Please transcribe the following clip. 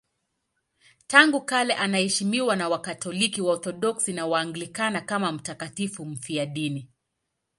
Tangu kale anaheshimiwa na Wakatoliki, Waorthodoksi na Waanglikana kama mtakatifu mfiadini.